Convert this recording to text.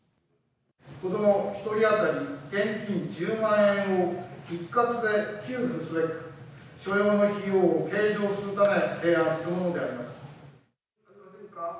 子ども１人当たり、現金１０万円を一括で給付すべく、所要の費用を計上するため、提案するものであります。